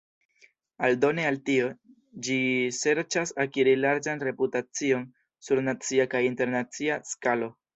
Aldone al tio, ĝi serĉas akiri larĝan reputacion sur nacia kaj internacia skalo.